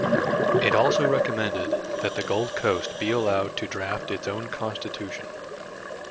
It also recommended that the Gold Coast be allowed to draft its own constitution.